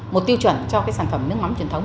một tiêu chuẩn cho cái sản phẩm nước mắm truyền thống